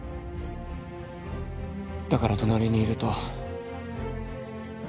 だから隣にいると